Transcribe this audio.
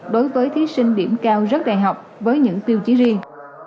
đối với thí sinh điểm cao rất đại học với những tiêu chí riêng